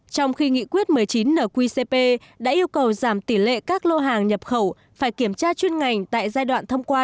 trong khi nghị quyết một mươi chín nqcp đã yêu cầu giảm tỷ lệ các lô hàng nhập khẩu phải kiểm tra chuyên ngành